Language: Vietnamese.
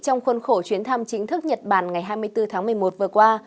trong khuôn khổ chuyến thăm chính thức nhật bản ngày hai mươi bốn tháng một mươi một vừa qua